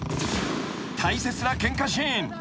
［大切なケンカシーン］